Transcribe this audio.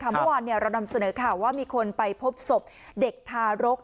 เมื่อวานเรานำเสนอข่าวว่ามีคนไปพบศพเด็กทารก